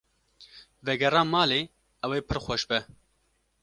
Vegera malê ew ê pir xweş be.